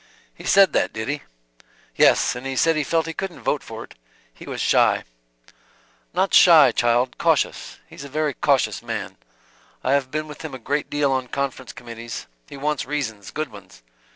"He said that, did he?" "Yes. And he said he felt he couldn't vote for it. He was shy." "Not shy, child, cautious. He's a very cautious man. I have been with him a great deal on conference committees. He wants reasons, good ones.